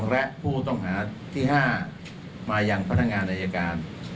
และผู้ต้องหาที่๕มายังพนักงานอายการ